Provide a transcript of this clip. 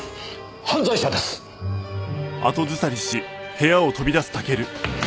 犯罪者です！